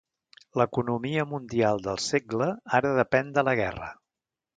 L'economia mundial del segle ara depèn de la guerra.